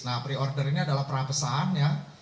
nah pre order ini adalah prapesan ya